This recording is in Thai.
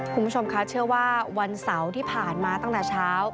คุณผู้ชมคะเชื่อว่าวันเสาร์ที่ผ่านมาตั้งแต่เช้า